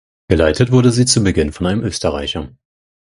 Geleitet wurde sie zu Beginn von einem Österreicher.